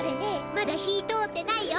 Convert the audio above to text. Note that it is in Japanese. まだ火通ってないよ！